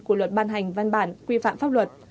của luật ban hành văn bản quy phạm pháp luật